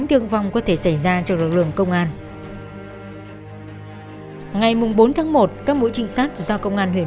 đang vận chuyển